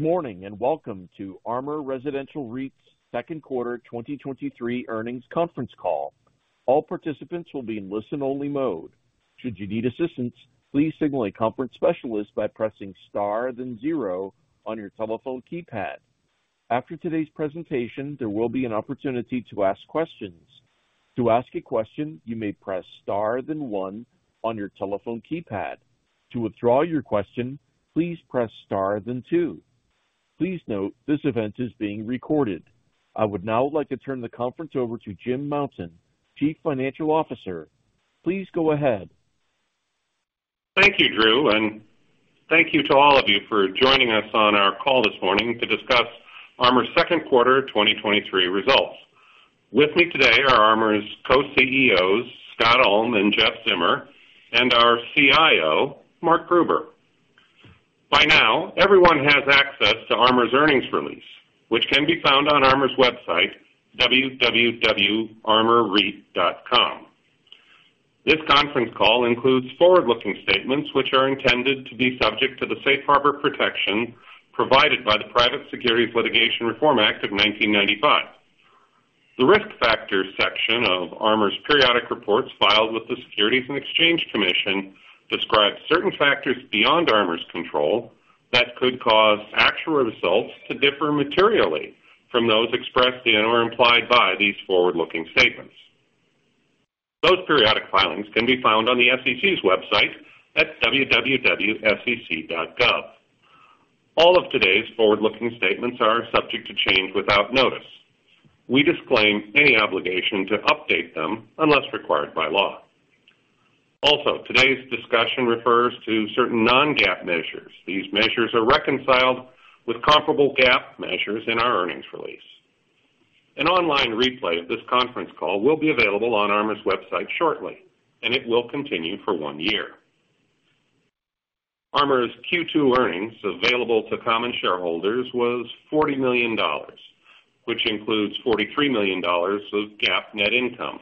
Good morning, welcome to ARMOUR Residential REIT's second quarter 2023 earnings conference call. All participants will be in listen-only mode. Should you need assistance, please signal a conference specialist by pressing star then zero on your telephone keypad. After today's presentation, there will be an opportunity to ask questions. To ask a question, you may press star then one on your telephone keypad. To withdraw your question, please press star then two. Please note, this event is being recorded. I would now like to turn the conference over to Jim Mountain, Chief Financial Officer. Please go ahead. Thank you, Drew, and thank you to all of you for joining us on our call this morning to discuss ARMOUR's second quarter 2023 results. With me today are ARMOUR's Co-CEOs, Scott Ulm and Jeff Zimmer, and our CIO, Mark Gruber. By now, everyone has access to ARMOUR's earnings release, which can be found on ARMOUR's website, www.armourreit.com. This conference call includes forward-looking statements, which are intended to be subject to the safe harbor protection provided by the Private Securities Litigation Reform Act of 1995. The Risk Factors section of ARMOUR's periodic reports, filed with the Securities and Exchange Commission, describes certain factors beyond ARMOUR's control that could cause actual results to differ materially from those expressed in or implied by these forward-looking statements. Those periodic filings can be found on the SEC's website at www.sec.gov. All of today's forward-looking statements are subject to change without notice. We disclaim any obligation to update them unless required by law. Today's discussion refers to certain non-GAAP measures. These measures are reconciled with comparable GAAP measures in our earnings release. An online replay of this conference call will be available on ARMOUR's website shortly, and it will continue for one year. ARMOUR's Q2 earnings available to common shareholders was $40 million, which includes $43 million of GAAP net income.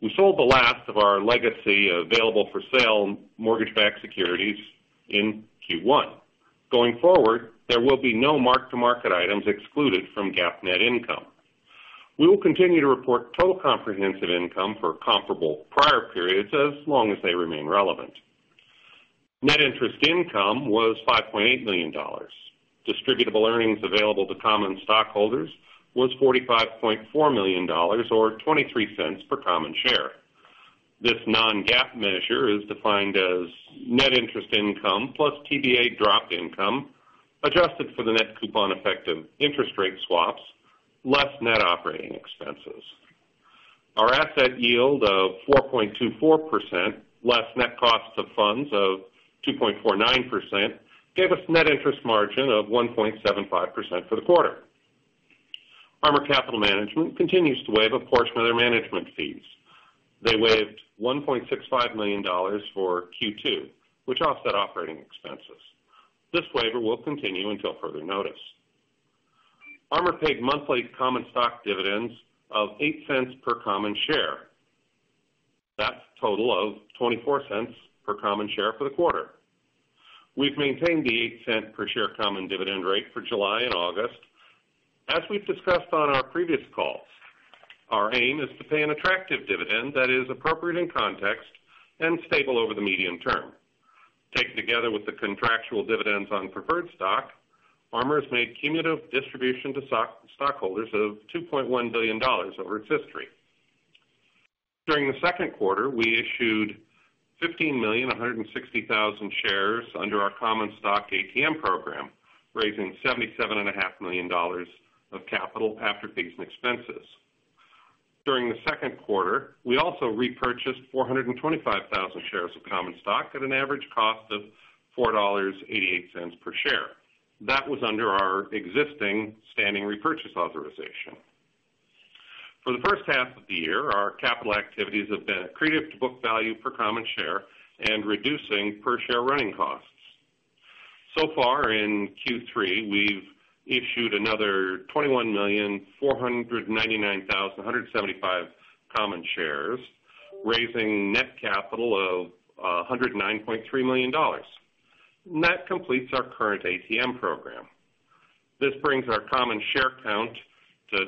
We sold the last of our legacy available-for-sale mortgage-backed securities in Q1. Going forward, there will be no mark-to-market items excluded from GAAP net income. We will continue to report total comprehensive income for comparable prior periods as long as they remain relevant. Net interest income was $5.8 million. Distributable earnings available to common stockholders was $45.4 million or $0.23 per common share. This non-GAAP measure is defined as net interest income plus TBA dropped income, adjusted for the net coupon effect of interest rate swaps, less net operating expenses. Our asset yield of 4.24%, less net costs of funds of 2.49%, gave us net interest margin of 1.75% for the quarter. ARMOUR Capital Management continues to waive a portion of their management fees. They waived $1.65 million for Q2, which offset operating expenses. This waiver will continue until further notice. ARMOUR paid monthly common stock dividends of $0.08 per common share. That's a total of $0.24 per common share for the quarter. We've maintained the $0.08 per share common dividend rate for July and August. As we've discussed on our previous calls, our aim is to pay an attractive dividend that is appropriate in context and stable over the medium term. Taken together with the contractual dividends on preferred stock, ARMOUR has made cumulative distribution to stockholders of $2.1 billion over its history. During the second quarter, we issued 15,160,000 shares under our common stock ATM program, raising $77.5 million of capital after fees and expenses. During the second quarter, we also repurchased 425,000 shares of common stock at an average cost of $4.88 per share. That was under our existing standing repurchase authorization. For the first half of the year, our capital activities have been accretive to book value per common share and reducing per-share running costs. So far in Q3, we've issued another 21,499,175 common shares, raising net capital of $109.3 million. That completes our current ATM program. This brings our common share count to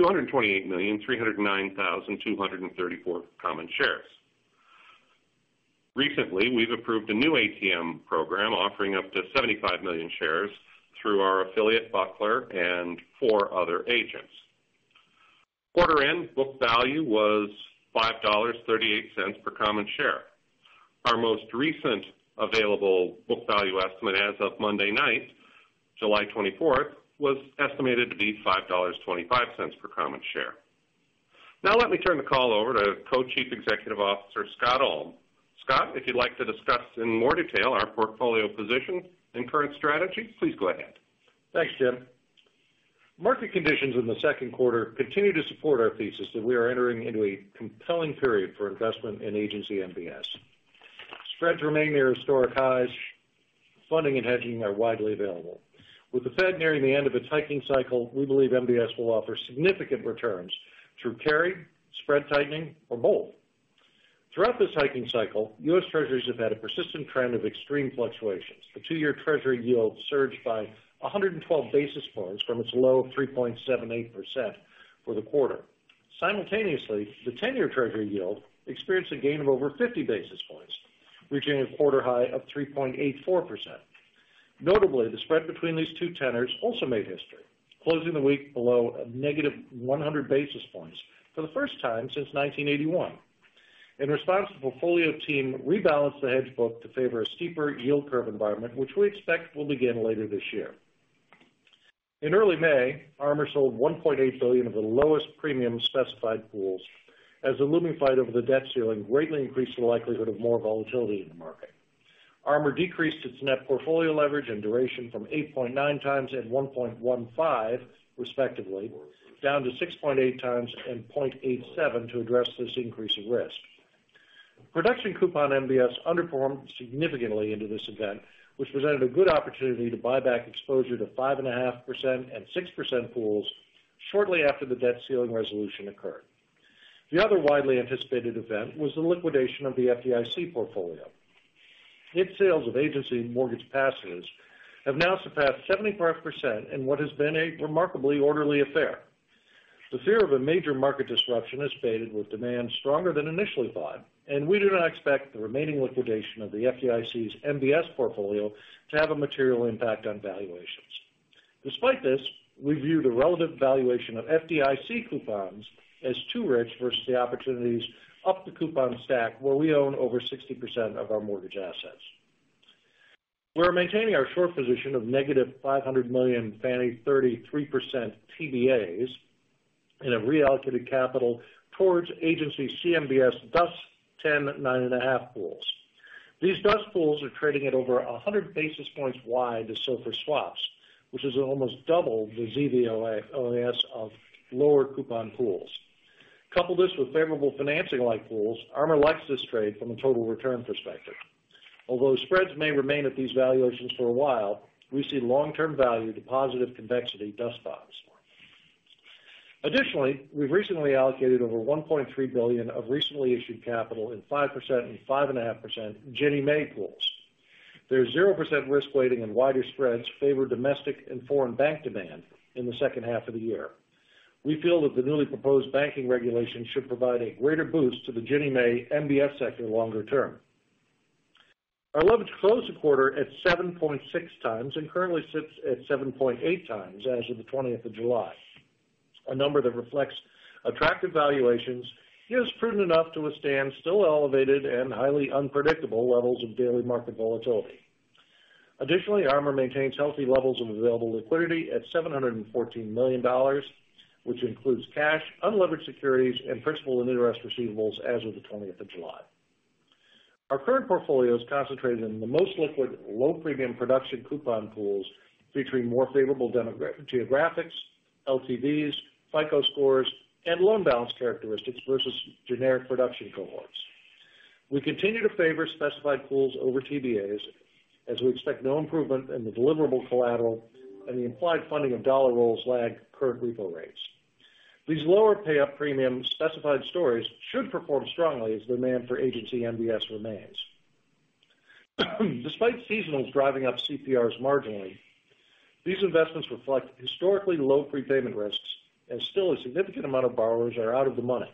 228,309,234 common shares. Recently, we've approved a new ATM program offering up to 75 million shares through our affiliate, BUCKLER, and four other agents. Quarter-end book value was $5.38 per common share. Our most recent available book value estimate, as of Monday night, July 24th, was estimated to be $5.25 per common share. Let me turn the call over to Co-Chief Executive Officer, Scott Ulm. Scott, if you'd like to discuss in more detail our portfolio position and current strategy, please go ahead. Thanks, Jim. Market conditions in the second quarter continue to support our thesis that we are entering into a compelling period for investment in agency MBS. Spreads remain near historic highs, funding and hedging are widely available. With the Fed nearing the end of its hiking cycle, we believe MBS will offer significant returns through carry, spread tightening, or both. Throughout this hiking cycle, US Treasuries have had a persistent trend of extreme fluctuations. The two-year Treasury yield surged by 112 basis points from its low of 3.78% for the quarter. Simultaneously, the 10-year Treasury yield experienced a gain of over 50 basis points, reaching a quarter high of 3.84%. Notably, the spread between these two tenors also made history, closing the week below a negative 100 basis points for the first time since 1981. In response, the portfolio team rebalanced the hedge book to favor a steeper yield curve environment, which we expect will begin later this year. In early May, ARMOUR sold $1.8 billion of the lowest premium specified pools as the looming fight over the debt ceiling greatly increased the likelihood of more volatility in the market. ARMOUR decreased its net portfolio leverage and duration from 8.9 times at 1.15, respectively, down to 6.8 times and 0.87 to address this increase in risk. Production coupon MBS underperformed significantly into this event, which presented a good opportunity to buy back exposure to 5.5% and 6% pools shortly after the debt ceiling resolution occurred. The other widely anticipated event was the liquidation of the FDIC portfolio. Its sales of agency mortgage passes have now surpassed 75% in what has been a remarkably orderly affair. The fear of a major market disruption has faded, with demand stronger than initially thought, and we do not expect the remaining liquidation of the FDIC's MBS portfolio to have a material impact on valuations. Despite this, we view the relative valuation of FDIC coupons as too rich versus the opportunities up the coupon stack, where we own over 60% of our mortgage assets. We're maintaining our short position of negative $500 million Fannie 33% TBAs and have reallocated capital towards Agency CMBS, DUS 10, 9.5 pools. These DUS pools are trading at over 100 basis points wide to SOFR swaps, which is almost double the ZVLAS of lower coupon pools. Couple this with favorable financing like pools, ARMOUR likes this trade from a total return perspective. Although spreads may remain at these valuations for a while, we see long-term value to positive convexity DUS boxes. Additionally, we've recently allocated over $1.3 billion of recently issued capital in 5% and 5.5% Ginnie Mae pools. Their 0% risk weighting and wider spreads favor domestic and foreign bank demand in the second half of the year. We feel that the newly proposed banking regulations should provide a greater boost to the Ginnie Mae MBS sector longer term. Our leverage closed the quarter at 7.6 times and currently sits at 7.8 times as of the 20th of July. A number that reflects attractive valuations, yet is prudent enough to withstand still elevated and highly unpredictable levels of daily market volatility. Additionally, ARMOUR maintains healthy levels of available liquidity at $714 million, which includes cash, unlevered securities, and principal and interest receivables as of the 20th of July. Our current portfolio is concentrated in the most liquid, low premium production coupon pools, featuring more favorable geographics, LTVs, FICO scores, and loan balance characteristics versus generic production cohorts. We continue to favor specified pools over TBAs as we expect no improvement in the deliverable collateral and the implied funding of dollar rolls lag current repo rates. These lower pay up premium specified stories should perform strongly as demand for agency MBS remains. Despite seasonals driving up CPRs marginally, these investments reflect historically low prepayment risks. Still a significant amount of borrowers are out of the money.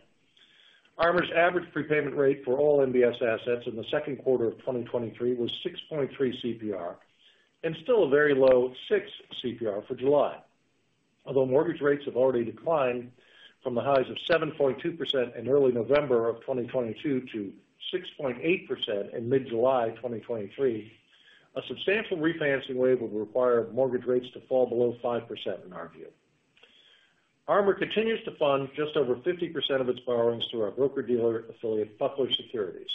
ARMOUR's average prepayment rate for all MBS assets in the second quarter of 2023 was 6.3% CPR. Still a very low 6% CPR for July. Although mortgage rates have already declined from the highs of 7.2% in early November of 2022 to 6.8% in mid-July 2023, a substantial refinancing wave would require mortgage rates to fall below 5%, in our view. ARMOUR continues to fund just over 50% of its borrowings through our broker-dealer affiliate, BUCKLER Securities.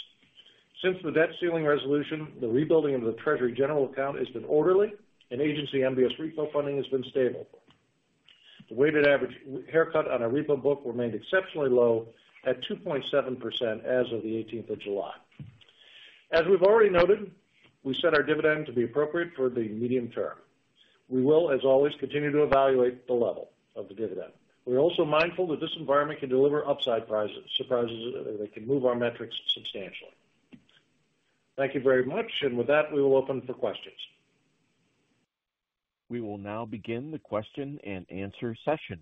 Since the debt ceiling resolution, the rebuilding of the Treasury General Account has been orderly and agency MBS repo funding has been stable. The weighted average haircut on our repo book remained exceptionally low at 2.7% as of the 18th of July. As we've already noted, we set our dividend to be appropriate for the medium term. We will, as always, continue to evaluate the level of the dividend. We're also mindful that this environment can deliver upside surprises that can move our metrics substantially. Thank you very much. With that, we will open for questions. We will now begin the question-and-answer session.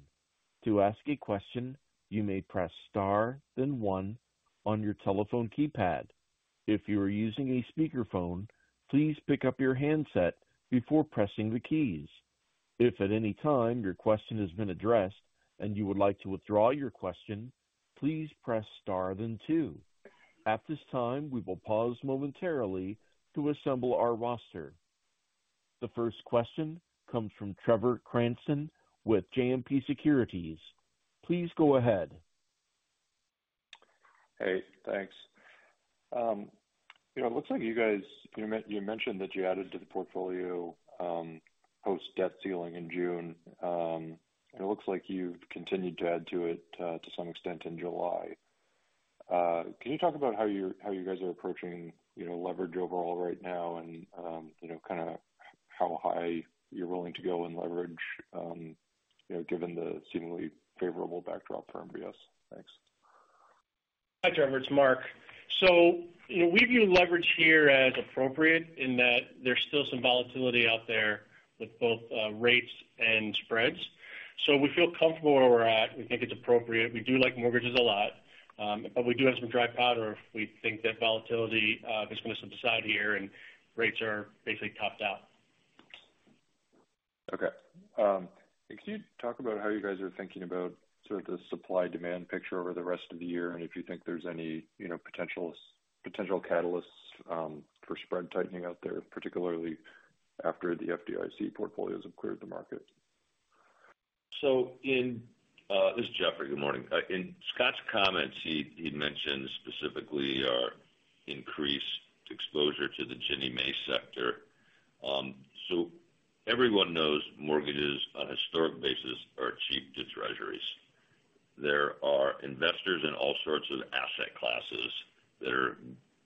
To ask a question, you may press star, then one on your telephone keypad. If you are using a speakerphone, please pick up your handset before pressing the keys. If at any time your question has been addressed and you would like to withdraw your question, please press star, then two. At this time, we will pause momentarily to assemble our roster. The first question comes from Trevor Cranston with JMP Securities. Please go ahead. Hey, thanks. You know, it looks like you guys, you mentioned that you added to the portfolio, post debt ceiling in June. It looks like you've continued to add to it, to some extent in July. Can you talk about how you, how you guys are approaching, you know, leverage overall right now and, you know, kind of how high you're willing to go in leverage, you know, given the seemingly favorable backdrop for MBS? Thanks. Hi, Trevor, it's Mark. You know, we view leverage here as appropriate, in that there's still some volatility out there with both rates and spreads. We feel comfortable where we're at. We think it's appropriate. We do like mortgages a lot, but we do have some dry powder if we think that volatility is going to subside here and rates are basically topped out. Okay. Can you talk about how you guys are thinking about sort of the supply-demand picture over the rest of the year, and if you think there's any, you know, potential catalysts for spread tightening out there, particularly after the FDIC portfolios have cleared the market? This is Jeffrey Zimmer, good morning. In Scott Ulm's comments, he mentioned specifically our increased exposure to the Ginnie Mae sector. Everyone knows mortgages on a historic basis are cheap to US Treasuries. There are investors in all sorts of asset classes that are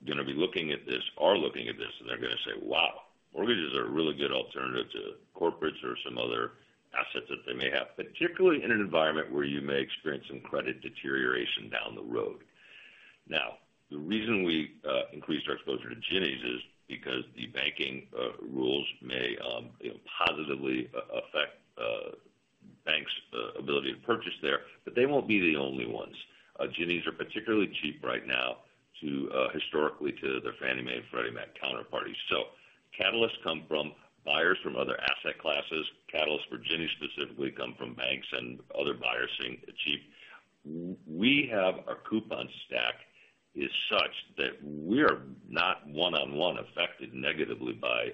gonna be looking at this, are looking at this, and they're going to say, "Wow, mortgages are a really good alternative to corporates or some other assets that they may have," particularly in an environment where you may experience some credit deterioration down the road. The reason we increased our exposure to Ginnies is because the banking rules may, you know, positively affect banks' ability to purchase there, but they won't be the only ones. Ginnies are particularly cheap right now to historically, to the Fannie Mae and Freddie Mac counterparty. Catalysts come from buyers from other asset classes. Catalysts for Ginnies specifically come from banks and other buyers seeing it cheap. We have our coupon stack is such that we are not one-on-one affected negatively by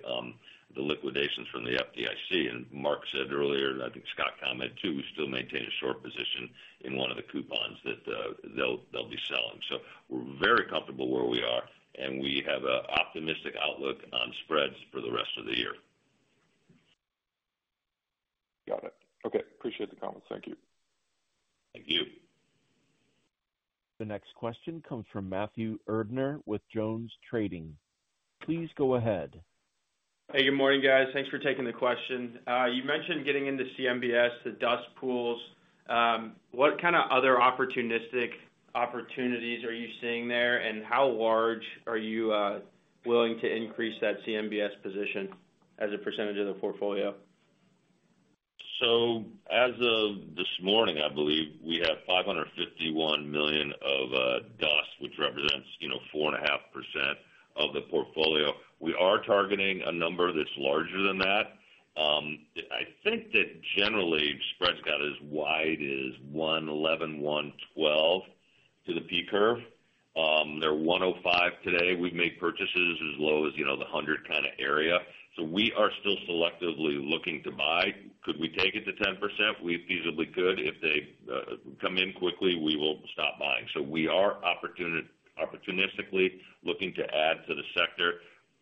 the liquidations from the FDIC. Mark Gruber said earlier, and I think Scott Ulm commented, too, we still maintain a short position in one of the coupons that they'll be selling. We're very comfortable where we are, and we have an optimistic outlook on spreads for the rest of the year. Got it. Okay, appreciate the comments. Thank you. Thank you. The next question comes from Matthew Erdner with JonesTrading. Please go ahead. Hey, good morning, guys. Thanks for taking the question. You mentioned getting into CMBS, the DUS pools. What kind of other opportunistic opportunities are you seeing there, and how large are you willing to increase that CMBS position as a percentage of the portfolio? As of this morning, I believe, we have $551 million of DUS, which represents, you know, 4.5% of the portfolio. We are targeting a number that's larger than that. I think that generally, spreads got as wide as 111, 112 to the par curve. They're 105 today. We've made purchases as low as, you know, the 100 kind of area, so we are still selectively looking to buy. Could we take it to 10%? We feasibly could. If they come in quickly, we will stop buying. We are opportunistically looking to add to the sector.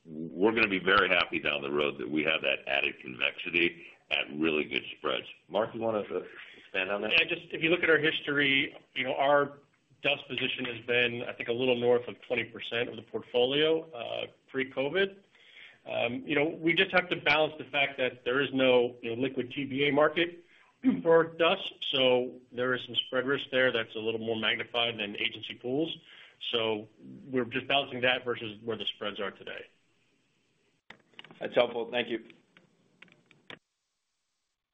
We're going to be very happy down the road that we have that added convexity at really good spreads. Mark, you want to expand on that? Yeah, just if you look at our history, you know, our DUS position has been, I think, a little north of 20% of the portfolio, pre-COVID. You know, we just have to balance the fact that there is no, you know, liquid TBA market for DUS, so there is some spread risk there that's a little more magnified than agency pools. We're just balancing that versus where the spreads are today. That's helpful. Thank you.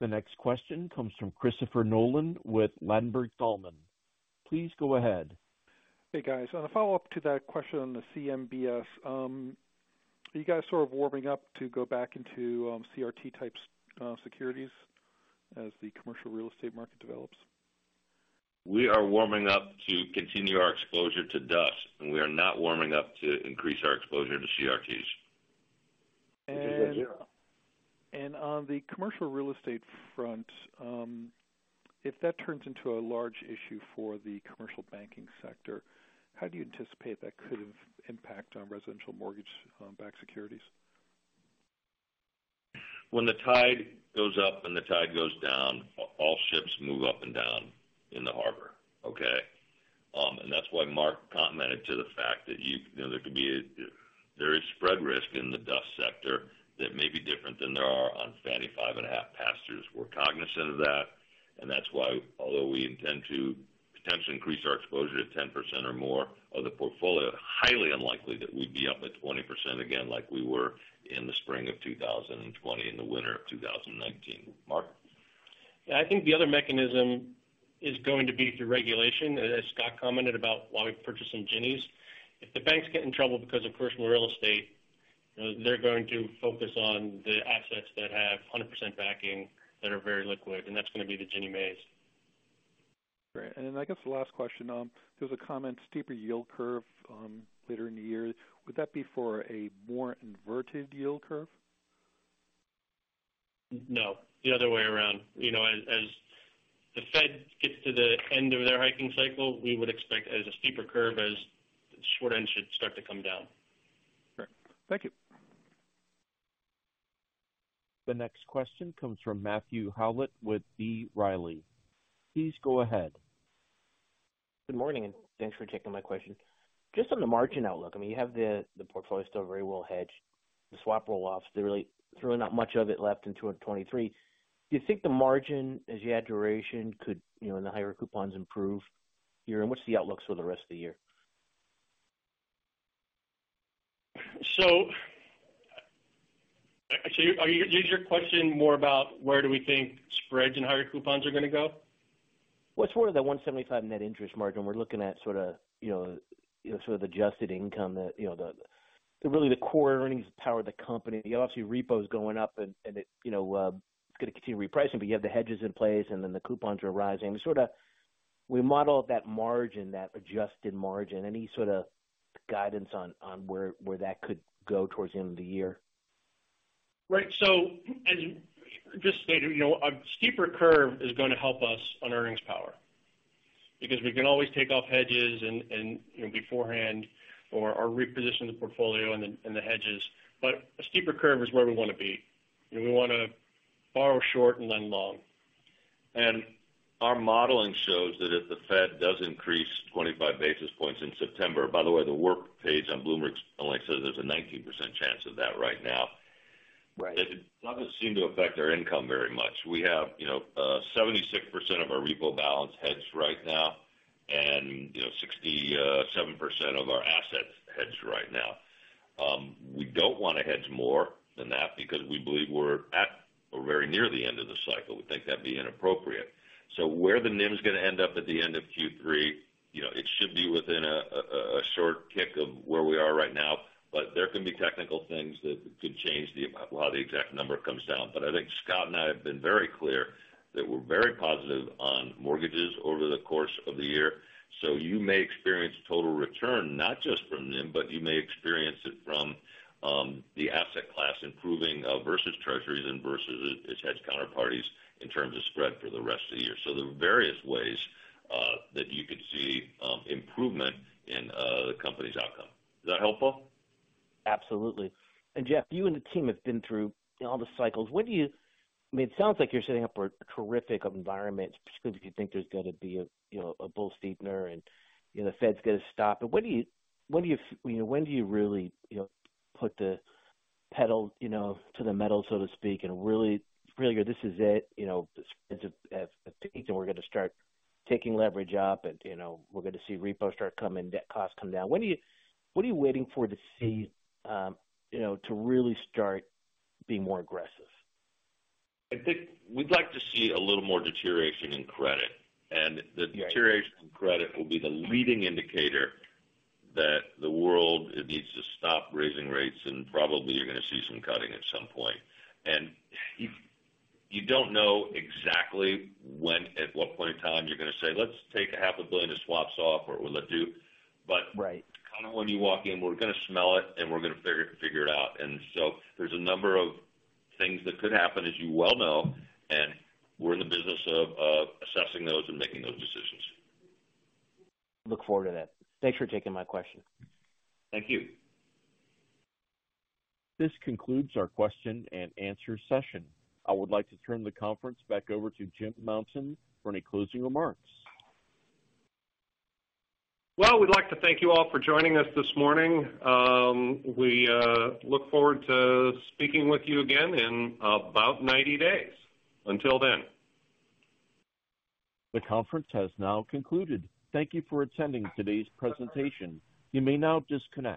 The next question comes from Christopher Nolan with Ladenburg Thalmann. Please go ahead. Hey, guys. On a follow-up to that question on the CMBS, are you guys sort of warming up to go back into CRT-type securities as the commercial real estate market develops? We are warming up to continue our exposure to DUS, and we are not warming up to increase our exposure to CRTs. And- Zero. On the commercial real estate front, if that turns into a large issue for the commercial banking sector, how do you anticipate that could have impact on residential mortgage-backed securities? When the tide goes up and the tide goes down, all ships move up and down in the harbor, okay? That's why Mark commented to the fact that you know, there is spread risk in the DUS sector that may be different than there are on Fannie 5.5% pass-throughs. We're cognizant of that, That's why although we intend to potentially increase our exposure to 10% or more of the portfolio, highly unlikely that we'd be up at 20% again like we were in the spring of 2020 and the winter of 2019. Mark? I think the other mechanism is going to be through regulation, as Scott commented about, while we're purchasing Ginnies. If the banks get in trouble because of commercial real estate, you know, they're going to focus on the assets that have 100% backing, that are very liquid, and that's going to be the Ginnie Maes. Great. Then I guess the last question, there was a comment, steeper yield curve, later in the year. Would that be for a more inverted yield curve? No, the other way around. You know, as the Fed gets to the end of their hiking cycle, we would expect as a steeper curve, as the short end should start to come down. Great. Thank you. The next question comes from Matthew Howlett with B. Riley. Please go ahead. Good morning, and thanks for taking my question. Just on the margin outlook, I mean, you have the portfolio still very well hedged. The swap roll-offs, there's really not much of it left in 2023. Do you think the margin, as you add duration, could, you know, in the higher coupons improve year, and what's the outlook for the rest of the year? Is your question more about where do we think spreads and higher coupons are going to go? Well, it's more of the 175 net interest margin. We're looking at sort of, you know, sort of adjusted income that, you know, the, really the core earnings power of the company. You obviously repos going up and it, you know, it's going to continue repricing, but you have the hedges in place, and then the coupons are rising. Sort of we model that margin, that adjusted margin. Any sort of guidance on where that could go towards the end of the year? Right. As you just stated, you know, a steeper curve is going to help us on earnings power because we can always take off hedges and, you know, beforehand or reposition the portfolio and the hedges. A steeper curve is where we want to be. We want to borrow short and lend long. Our modeling shows that if the Fed does increase 25 basis points in September, by the way, the WIRP page on Bloomberg only says there's a 19% chance of that right now. Right. It doesn't seem to affect our income very much. We have, you know, 76% of our repo balance hedged right now, and you know, 67% of our assets hedged right now. We don't want to hedge more than that because we believe we're at or very near the end of the cycle. We think that'd be inappropriate. Where the NIM is going to end up at the end of Q3, you know, it should be within a short kick of where we are right now, but there can be technical things that could change how the exact number comes down. I think Scott and I have been very clear that we're very positive on mortgages over the course of the year. You may experience total return not just from NIM, but you may experience it from the asset class improving versus Treasuries and versus its hedge counterparties in terms of spread for the rest of the year. There are various ways that you could see improvement in the company's outcome. Is that helpful? Absolutely. Jeff, you and the team have been through all the cycles. I mean, it sounds like you're setting up for a terrific environment, especially if you think there's going to be a, you know, a bull steepener and, you know, the Fed's going to stop. What do you know, when do you really, you know, put the pedal, you know, to the metal, so to speak, and really go, this is it, you know, as we're going to start taking leverage up and, you know, we're going to see repos start coming, debt costs come down? What are you waiting for to see, you know, to really start being more aggressive? I think we'd like to see a little more deterioration in credit, and the deterioration in credit will be the leading indicator that the world needs to stop raising rates, and probably you're going to see some cutting at some point. You don't know exactly when, at what point in time, you're going to say, "Let's take a half a billion of swaps off, or what we'll do. Right. Kind of when you walk in, we're going to smell it, and we're going to figure it out. There's a number of things that could happen, as you well know, and we're in the business of assessing those and making those decisions. Look forward to that. Thanks for taking my question. Thank you. This concludes our question and answer session. I would like to turn the conference back over to James Mountain for any closing remarks. Well, we'd like to thank you all for joining us this morning. We look forward to speaking with you again in about 90 days. Until then. The conference has now concluded. Thank you for attending today's presentation. You may now disconnect.